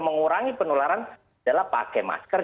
mengurangi penularan adalah pakai masker